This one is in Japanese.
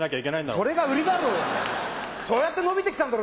それが売りだろうがそうやって伸びて来たんだろ